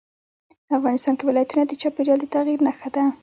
افغانستان کې ولایتونه د چاپېریال د تغیر نښه ده.